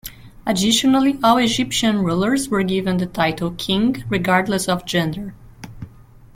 Additionally, all Egyptian rulers were given the title 'king', regardless of gender.